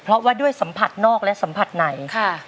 เพราะว่าด้วยสัมผัสนอกและสัมผัสไหน